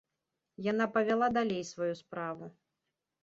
Яна павяла далей сваю справу.